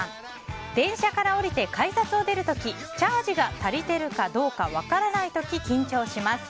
電車から降りて改札を出る時チャージが足りているかどうか分からない時、緊張します。